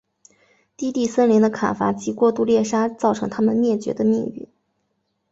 低地森林的砍伐及过度猎杀造成它们灭绝的命运。